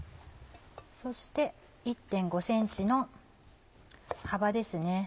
そして１．５ｃｍの幅ですね。